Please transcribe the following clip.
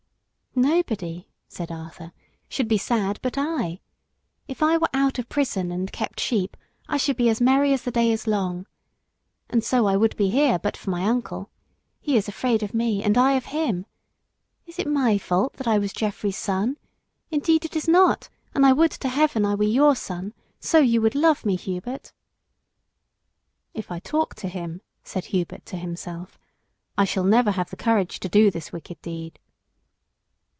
"Nobody," said Arthur, "should be sad but I. If I were out of prison and kept sheep I should be as merry as the day is long. And so I would be here but for my uncle. He is afraid of me and I of him. Is it my fault that I was Geoffrey's son? Indeed it is not, and I would to heaven I were your son, so you would love me, Hubert." "If I talk to him," said Hubert to himself, "I shall never have the courage to do this wicked deed."